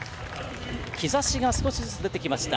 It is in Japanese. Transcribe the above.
日ざしが少しずつ出てきました。